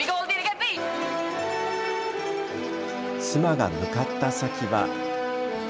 妻が向かった先は。